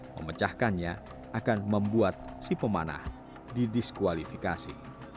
memecahkannya akan membuat si pemanah didiskualifikasi